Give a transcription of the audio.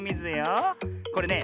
これね